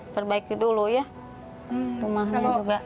perbaiki dulu ya rumahnya juga